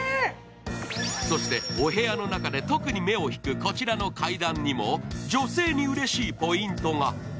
そしてお部屋の中で特に目を引くこちらの階段にも女性にうれしいポイントが。